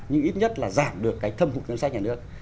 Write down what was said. nhưng ít nhất là giảm được cái thâm hụt ngân sách nhà nước